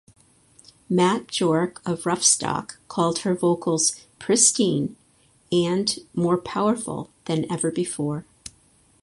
Matt Bjorke of "Roughstock" called her vocals "pristine" and "more powerful" than ever before.